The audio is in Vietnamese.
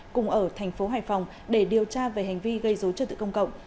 cùng ở tp hải phòng để điều tra về hành vi gây dối trợ tự công cộng